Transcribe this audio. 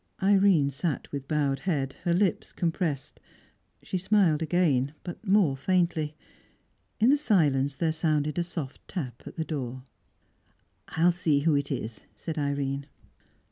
Irene sat with bowed head, her lips compressed; she smiled again, but more faintly. In the silence there sounded a soft tap at the door. "I will see who it is," said Irene.